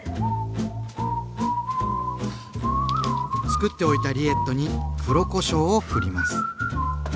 つくっておいたリエットに黒こしょうをふります。